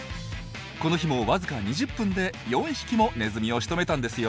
この日もわずか２０分で４匹もネズミをしとめたんですよ。